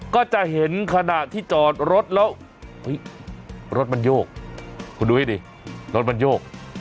ก็จะเห็นขณะที่จอดรถแล้วรถมันโยกคุณดูให้ดิรถมันโยก